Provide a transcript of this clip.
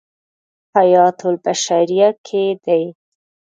حیاة البشریة کې دی.